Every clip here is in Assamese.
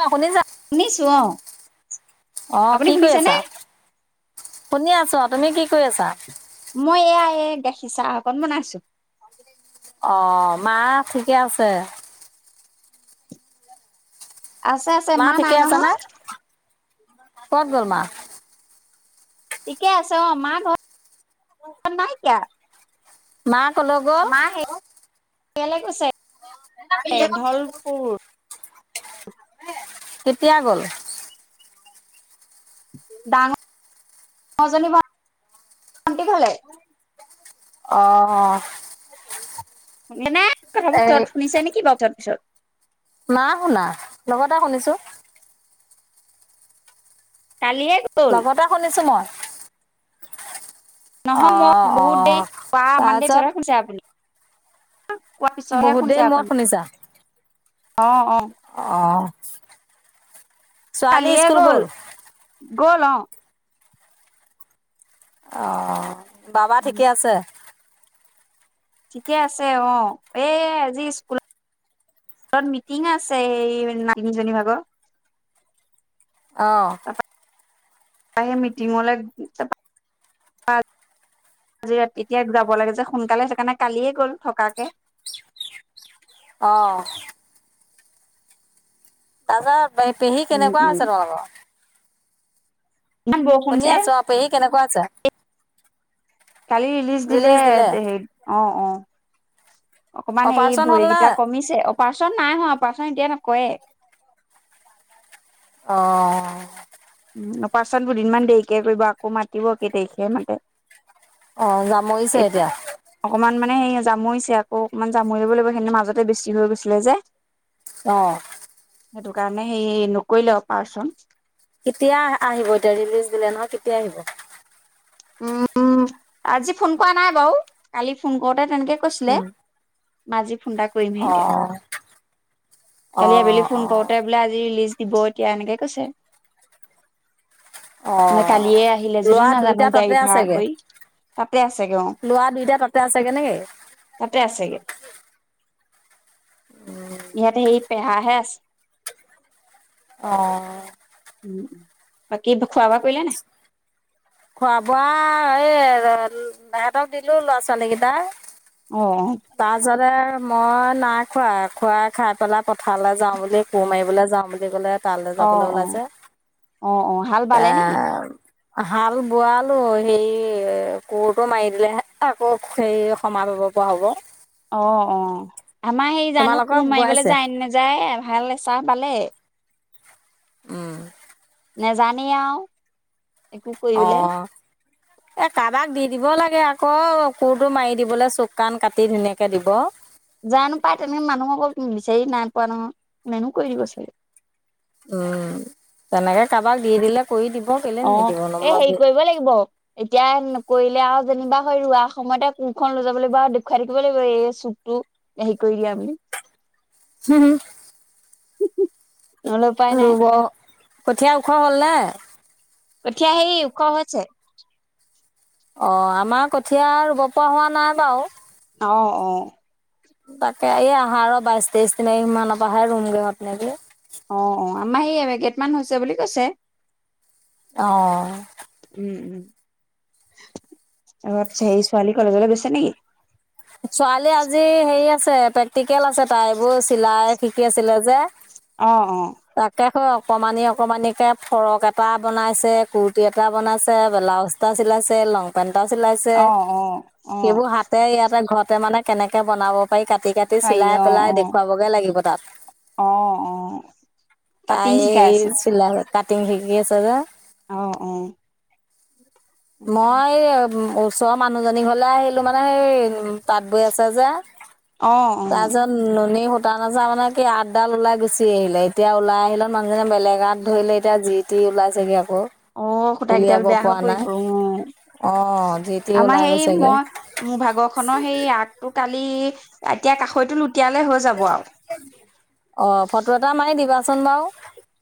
অ শুনি যা শুনিছোঁ অ অ', আপুনি কি কৰি শুনিছেনে আছা? শুনি আছো তুমি কি কৰি আছা? মই এয়া এই গাখীৰ চাহ অকন বনাইছো অ', মা ঠিকে আছে। আছে আছে মা নাই ঠিকে আছে নে, নহয় ক'ত গ'ল মা? ঠিকে আছে অ', মা ঘৰত নাই এতিয়া। মা ক'লৈ গ'ল? কেলে গৈছে ঢলপুৰ কেতিয়া গ'ল? ডাঙৰ জনি ভণ্টিৰ ঘৰলে অহ। এনে কথাবোৰ তত শুনিছে নেকি বাৰু তত পিছত। নাই শুনা লগতে শুনিছো। কালিয়ে গ'ল লগতে শুনিছো মই। অ নহয় মই অ বহুত দেৰি বা মানডে [unintelligible] তাৰপিছত শুনিছে আপুনি কোৱাৰ পিছতহে বহুত দেৰি শুনিছে মূৰত আপুনি। শুনিছা অ-অ অ', ছোৱালী স্কুল গ'ল। গ'ল অ অ', বাবা ঠিকে আছে? ঠিকে আছে অ', এ আজি স্কুলত তাত মিটিং আছে সেই [unintelligible] জনী ভাগৰ অহ। সেই মিটিঙলৈ [unintelligible] আজি এতিয়া যাব লাগে যে সোনকালে সেইকাৰণে কালিয়ে গ'ল থকাকে। অ'। তাৰপাছত পেহী উম, কেনেকুৱা উম, আছে তোমালোকৰ? ইমান বৰষুণ শুনি যে আছো অ', পেহী কেনেকুৱা আছে? কালি ৰিলিজ দিলে পেহীক অ অ অকমান হেৰি অপাৰেচন হ'ল নে ভৰিকেইটা কমিছে অপাৰেচন নাই হোৱা। অপাৰেচন এতিয়া নকৰে। অ'। উ অপাৰচন দুদিনমান দেৰিকে কৰিব আকৌ মাতিব কেই তাৰিখে মাতে। অ যামৰিছে এতি এতিয়া অকমান মানে সেই জামুৰিছে আকৌ অকমান জামুৰি লব লাগিব সেই মাজতে বেছি হৈ গৈছিলে যে। অহ। সেইটো কাৰণে সেই নকৰিলে অপৰেচন কেতিয়া আহিব এতিয়া ৰিলিজ দিলে নহয় কেতিয়া আহিব? উম আজি ফোন কৰা নাই বাৰু কালি ফোন কৰোঁতে তেনেকে কৈছিলে। মই আজি ফোন এটা কৰিমহে এতিয়া অঁ কালি আবেলি অঁ ফোন অঁ কৰোতে বোলে আজি ৰিলিজ দিব এতিয়া এনেকে কৈছে নে অঁ কালিয়ে আহিলে যদিও ল'ৰা নাজানো। দুইটা তাতে আছেগৈ [unintelligible] তাতে আছেগে অ', ল'ৰা দুইটা তাতে আছেগৈ নেকি তাতে আছেগে। ইয়াতে সেই পেহা হে আছে। অ'। উ বাকী খোৱা-বোৱা কৰিলে নে নাই খোৱা বোৱা এই হঁতক দিলো ল'ৰা ছোৱালী কেইটা অ [unintelligible] মই নাই খোৱা খুৰাই খাই পেলাই পথাৰলৈ যাওঁ বুলি কোৰ মাৰিবলৈ যাওঁ বুলি ক'লে। তালৈ অ যাবলৈ অ ওলাইছে অ অ হাল বালে নেকি হাল বোৱালো হেৰি কোৰটো মাৰি দিলেহে আকৌ সেই সমান পাব পাৰো হ'ব। অ- অ আমাৰ সেই জানো তোমালোকৰ কোৰ মাৰিবলৈ বোৱাইছে যায় ন নেযায় ভাল চাহ পালে উম। নাজানেই আৰু একো কৰিবলে অ' এ কাৰোবাক দি দিব লাগে আকৌ কোৰটো মাৰি দিবলৈ চুক কান কাটি ধুনীয়াকে দিব। জানো পায় তেনেকে মানুহ অক বিচাৰি নাই পোৱা নহয় মো কৈ দিব চাগ উম তেনেকে কাৰোবাক দি দিলে কৰি দিব কেলে নিদিব নো অ' এ হেৰি কৰিব মই লাগিব এতিয়া নকৰিলে আৰু যেনিবা হয় ৰোৱা সময়তে কোোৰখনন লৈ যাব লাগিব আৰু দেখুৱাই থাকিব লাগিব এই চুকতটো হেৰী কৰি দিয়া বুলি হম -হম নহ'লে উপায় নাই ৰুব কঠীয়া ওখ হ'ল ন। কঠিঁয়া হেই উখ হৈছে। অ' আমাৰ কঠীয়া ৰুব পৰা হোৱা নাই বাৰু অ- অ তাকে এই আহা আৰু বাইশ তেইশ দিনা ইমানৰ পৰা আহে ৰুমগৈ আপ নাকে অ -অ আমাৰ সেই কেইটমানান হৈছে বুলি কৈছে অ ' অচ সেই ছোৱালী কলেজলৈ বেচ নেকি ছোৱালী আজি হেৰি আছে প্ৰেক্টিকেল আছে তাই এইবোৰ চিলাই শিকি আছিলে যে। অ -অ হয় অকমানি অকমানিিকে ফৰক এটা বনাইছে কুৰ্টি এটা বনাইছে ব্লাউজ এটা চিলাই। লং পেন্টটা চিলাইছে, অ অ অ সেইবোৰ হাতে ইয়াতে ঘৰতে মানে কেনেকে বনাব পাৰ কাটি কাটি পাৰি চিলাই অ পেলাই অ দেখুৱাবগে লাগিব তাত। অ অ তাই কাটিং শিকাই এই আছে চিলাই কাটিং শিকি আছে যে। আহ অ' মই ওচৰৰ মানুহজনী ঘৰলে আহিলো মানে সেই উ তাঁত বৈ আছে যে অ অ তাৰছত নুনী। সুটা নাচা মানে কি আঠডাল ওলাই গুচি আহিলে এতিয়া ওলাই আহিলে মানুহজনে বেলেগ আঠ ধলে এতিয়া যি টো ওলাইছেগে আও অ' সূতা কেইটাল বেয়া হৈ পৰিব অঁ অ' জি টি ওলাই আমাৰ সেই গৈছেগে মই মোৰ ভাগৰখনৰ সেই আগটো কালি। এতিয়া কাসৈটো লুটিয়ালে হৈ যাব আৰু অ' ফটো এটা মাৰি দিবাচোন বাৰু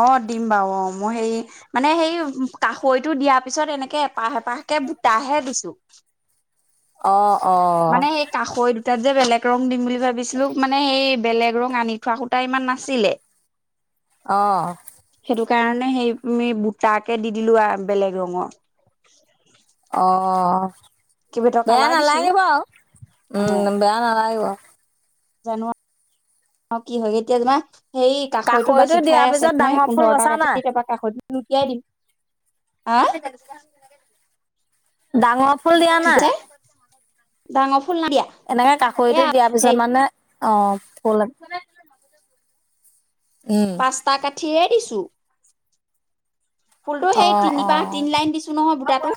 অক', দিম বাৰু অ মোৰ হেৰি মানে সেই কষৈটো দিয়াৰ পিছত এনেকে এপাহ এপাহ তাকে ভূতাহে দিছোঁ অঁ অঁ মানে সেই কাষৈ তাত যে বেলেগ ৰং দিম বুলি ভাবিছিলো মানে সেই বেলেগ ৰং আনি থোৱা সূতা ইমান নাছিলে। আহ। সেইটো কাৰণে সেই আমি বুটাকে দি দিলো বেলেগ ৰঙৰ অঁ কেইবাটাও বেয়া কালাৰ দিছো নালাগিব আৰু উম বেয়া নালাগিব জানোৱা অ' কি হয় এতিয়া তোমাৰ সেই কাষৈটো কাষৰিটো বাচি দিয়াৰ থোৱাই আছে পিছত নহয় ডাঙৰ ফুল পোন্ধৰটা বচা কাটি কেতিাৰপা কাষৈটো লুটিয়াই দিম। হা ন' ডাঙৰ ফুল দিয়া কি না। কৈছা ডাঙৰ ফুল নাইদিয়া এনেকে কাাকৰিটো এয়া দিয়াৰ সেই পিছত মানে অ ফুল পাস্তা কাঠিয়ে দিছো। ফুলটো সেই অঁ তিনিবাৰ অঁ তিনি লাইন দিছো নহয় বুটাটো।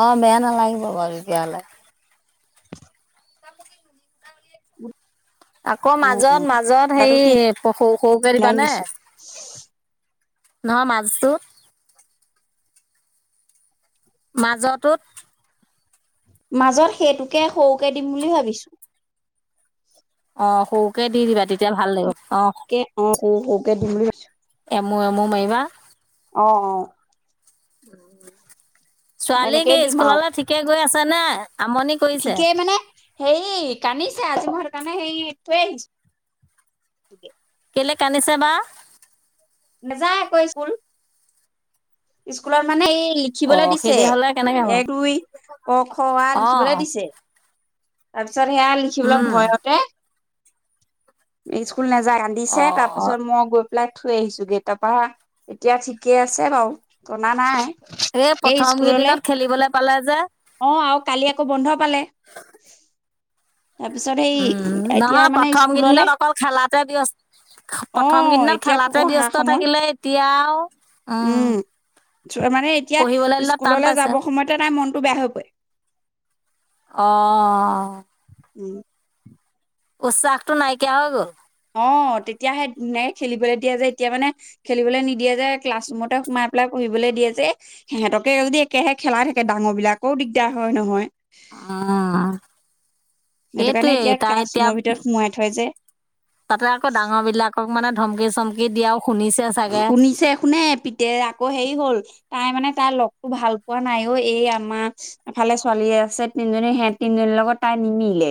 অ বেয়া নালাগিব বাৰু তেতিয়াহলে আকৌ অ', মাজত অ'। মাজত সেই বুটাটো তিনি সৰু সৰুকে লাইন দিবানে দিছো [inaudible] নহয় মাজুত [inaudible] মাজতটো মাজত সেইটোকে সৰুকে দিম বুলি ভাবিছোঁ [inaudible] অ সৰুকে দি দিবা তেতিয়া ভাল লাগিব অ [unintelligible] এমু এমু মাৰিবা অ অ ছোৱালী তেনেকেই কি দিম আও স্কুললৈ ঠিকে গৈ আছে নে আমনি কৰিছে ঠিকেই মানে হেই কান্দিছো আজি কাৰানে সেই থোৱে আহিছো [inaudible] বেলেগ আনিছে বা [inaudible] নাযায় আকৌ স্কুল স্কুলৰ মানে এই অ লিখিবলে দিছে সেইদে হলে কেনেকে হ'ব এক দুই ক খ অ আ লিখিবলৈ দিছে তাৰপিছত সেয়া লিখিবলৈ উম ভয়তে স্কুল নাযায় অ ৰান্ধিছে তাৰ পিছত মই প্লাই থৈ আহিছো গেই তাৰপা এতিয়া ঠিকে আছে বাৰু কনদা নাই এই প্ৰথম কেইদিনত খেলিবলে পালে যে অ আৰু কালি আকৌ বন্ধ পালে [inaudible] তাৰপিছত সেই উম, এতিয়া নহয় মানে প্ৰথম স্কুললে কেইদিনত অকল খেলাতে ব্যস্ত [inaudible] প্ৰথম অহ কেইদিনত এতিয়া খেলাতে পঢ়া ব্যস্ত স সময় থাকিলে এতিয়া আৰু উম মানে এতিয়া পঢ়িবলৈ দিলত টান স্কুললৈ পাইছে। যাব সময়তে তাই মনতটো বেয়া হৈ পৰে অ উম উচাকটো নাইকিয়া হৈ গ'ল অ তেতিয়া সে খেলিবলৈ দিয়া যে এতিয়া মানে খেলিবলৈ নিদিয়ে যে ক্লাছ ৰুমতে সোমাই পেলাই পু়ঢ়িবলৈ দিয়ে যে সিহঁতকে যদি একেহে খেলাই থাকে ডাঙৰ বিলাকৰও দিগদাৰ হয় নহয় অ সেইটো কাৰণে এতিয়া ক্লাছ ৰুমৰ ভিতৰত সোমাই থয় যে তাতে আকৌ ডাঙৰ বিলাকক মানে ধমকি চমকি দিয়াও শুনিছে চাগে। শুনিছে শুনে পিতে আকৌ হেৰি হল তাই মানে তাৰ লগতো ভাল পোৱা নাইও এই আমাৰ এফালে ছোৱালী আছে তিনজনী সেই তিনজনীৰ লগত তাই নিমিলে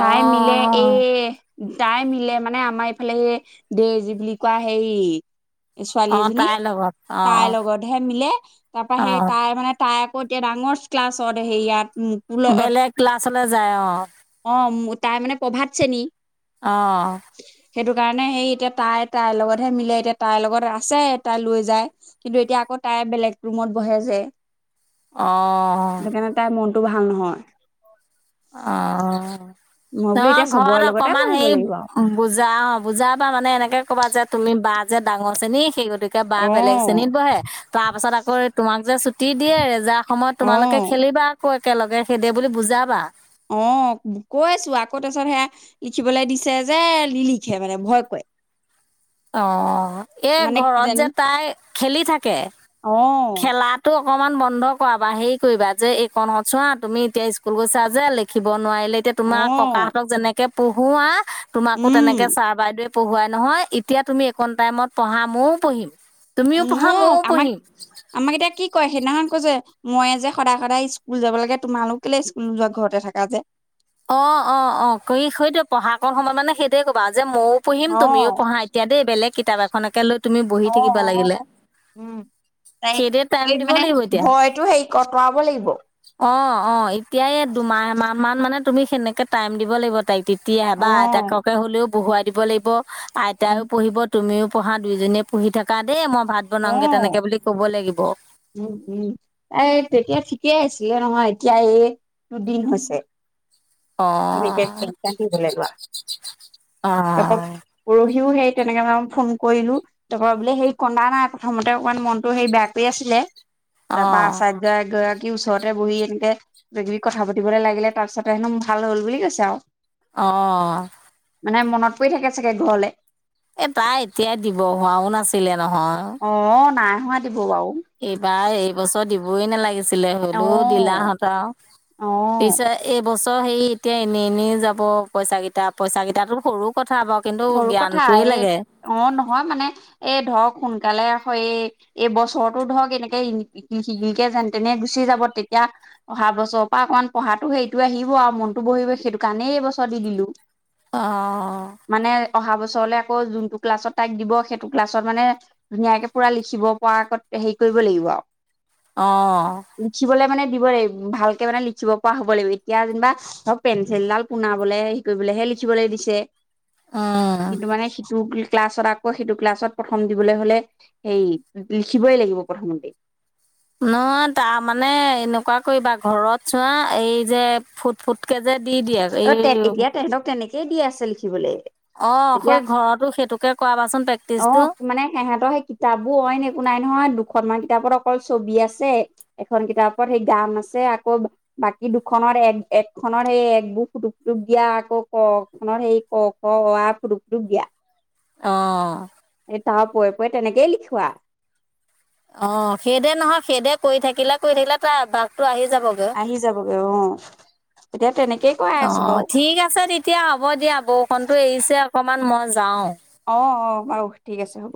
তাই মিলে এই তাই মিলে মানে আমাৰ এইফালে দে যি বুলি কোৱা হেই ছোৱালী অ', এজনী তাইৰ লগত তাইৰ অ', লগতহে মিলে তাৰ পৰাৰা সেই অ', তাই মানে তাই আকৌ এতিয়া ডাঙৰ ক্লাছত এহ ইয়াত বেলেগ ক্লাছলে যায় অ অ তাই মানে পোভাতছেনি অহ সেইটো কাৰণে সেই এতিয়া তাই তাইৰ লগতহে মিলে এতিয়া তাইৰ লগত আছে তাই লৈ যায় কিন্তু এতিয়া আকৌ তাই বেলেগ ৰুমত বহে যে অ টো ভাল নহয় অ মই অ বোলো এতিয়া ঘৰত চবৰে লগতে অকমান বহিব হেৰি লাগিব আৰু বুজা অ বুজা বা মানে এনেকে কবা যে তুমি বা যে ডাঙৰ চেনি সেই গতিকে বা অ বেলেগ শ্ৰেণীত বহে তাৰ পাছত আকৌ তোমাক যে ছুটি দিয়ে যাৰ সময়ত অ তোমালোকে খেলিবা আকৌ একেলগে সেইদে বুলি বুজাবা অ', কৈছো আকৌ তাৰপিছত সেয়া লিখিবলৈ দিছে যে, নিলিখে মানে ভয় কৰে। উ। অ', এ মানে ঘৰত কিজানি যে তাই খেলি থাকে। অ খেলাতো অকমান বন্ধ কৰাা হেৰি কৰিবা যে এই কণত চোৱা তুমি এতিয়া স্কুল গৈছা যে লিখিব নোৱাৰিলে এতিয়া অ তোমাৰ ককাহঁতক যেনেকে পঢ়োৱা তোমাকো উম তেনেকে ছাৰ বাইদেৱে পঢ়োৱাই নহয় এতিয়া তুমি একণ টাইমত পঢ়া ময়োয পঢ়িম তুমিও পঢ়া মোক ময়ো আমাক পঢ়িম আমাক এতিয়া কি কয় সেইদিনাখন কৈছে মই যে সদায় সদায় স্কুল যাব লাগে তোমালোক কেলে স্কুলো যোৱা ঘৰতে থাকা যে। অ', অ', অ', কৰি সৈত পঢ়া ক সময়ত মানে সেইটয়ে কবা আ যে মইও পঢ়িম অ তুমিও পঢ়া এতিয়া দেই বেলেগ কিতাপ এখনকে লৈ তুমি বহি অ থাকিব অ লাগিলে। উম তাই সেইটোৱে স টাইম দিব মানে লাগিব ভয়টো হেৰি কটোৱাব লাগিব। অ', অ', এতিয়া দুমাহাহ মান মানে তুমি সেনেকে টাইম দিব লাগিব তাইক তেতিয়ে বা অ', আইতাককে হ'লেও বহুৱাই দিব লাগিব আইতও পঢ়িব তুমিও পঢ়া দুইজনীয়ে পঢ়ি থকা দেই মই ভাত বনাওগে অ'। তেনেকে বুলি ক'ব লাগিব। উম উম এই তেতিয়া ঠিকেই আছিলে নহয় এতিয়া এই দুদিন হৈছে গকে অঁ এইটাকি হ'লে লোৱা তাৰাপা অঁ পৰহিও সেই তেনেকে মানই ফোন কৰিলো ত বোলে হেৰি কন্দা নাই প্ৰথমতে অকমান মনতটো হেৰি বেয়া কৰি আছিলে, ত অঁ পছাত গ গ [unintelligible] কি ওচৰতে বহি এনেকে কিবি কথা পাতিবলৈ লাগিলে তাৰ পিছতে হেনো ভাল হল বুলি কৈছে আৰু। অ'। মানে মনত পৰি থাকে চাগে ঘৰলৈ এ তাই এতিয়াই দিব হোৱাও নাছিলে। নহয় অ', নাই হোৱা। দিব বাৰু। এইবাৰ এইবছৰ দিবই নালাগিছে। আছিলে হলো অ'। দিলাহঁতৰ অ'। পিছেত এই বছৰ হেৰি এতিয়া এনেই এনেই যাব পইচাকেইটা পইচাকেইটা সৰুক সৰু কথা আহে অ', নহয় মানে এ ধৰক সোনকালে হয় এই বছৰতো ধৰক এনেকে শিকে যেন তেনে গুচি যাব তেতিয়া তাৰ বছৰৰ পৰা অকণমান পঢ়া হেৰিটো আহিব আৰু মনো বহিব সেইটো কাৰণেই এই বছৰ দি দিলো অ'। মানে অহা ব ওচৰলে আকৌ যোনটো ক্লাছত তাইক দিব সেইটো ক্লাছত মানে ধুনে পুৰা লিখিব পৰা হ ৱলিৱা [unintelligible] অ'। দিব লাগিব ভালকে মানে লিখিব পৰা হ'ব লাগিব এতিয়া যেনিবা ধৰক পেঞ্চিলডাল পুনাবলে হেৰি কৰিবলৈেই দেখিবলৈ দিছে উম। কিন্তু মানে সিটো ক্লাছত আকৌ সেইটো ক্লাছত প্ৰথম দিবলৈ হ'লে হেই লিখিবই লাগিব প্ৰথমতেই। নহ তাৰ মানে এনেকুৱা কৰিবা ঘৰত চোৱা এই যে ফুট ফুট অ', তে এতিয়া তেহতক তেনেকেই দি আছে লিখিবলৈ অ', এতিয়া সেই ঘৰতো সেইটোকে কৰাবাচোন প্ৰেক্টিচটো। অ', মানে সহঁতৰ সেই কিতাপবোৰ অইন একো নাই নহয় দু দুখনমানান কিতাপত অকল ছবি আছে এখন কিতাপত সেই গান আছে আকৌ বাকী দুখনত আমাৰ এক এক খনৰ সেই একবোৰ ফুটুকটোপ দিয়া আকৌ ক খনৰ সেই ক খ অ, আ ফুটুকটোপ দিয়া। আহ। পু পৰে তেনেকেই লিখোৱা অ', সেইদে নহয় সেইদে কৰি থাকিলে কৰি থাকিলে তাৰ অভ্যাসটো আহি যাবগৈ। আহি যাব গৈ, অ'। এতিয়া তেনেকেই কৰাই আছো অ', বাৰু ঠিক আছে তেতিয়া হ'ব দিয়া বৰষুণতটো এৰিছে অকমান মন যাওঁ। অ', অ', বাৰু ঠিক আছে হ'ব।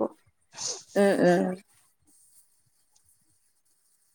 উম উম।